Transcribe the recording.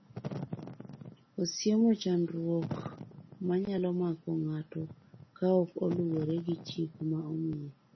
Osiemo chandruok manyalo mako ng'ato ka ok oluwore gi chik ma omiye.